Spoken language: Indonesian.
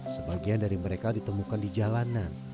sebagian dari mereka ditemukan di jalanan